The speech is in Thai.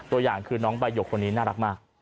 ตัวอย่างคือน้องใบหยกคนนี้น่ารักมาก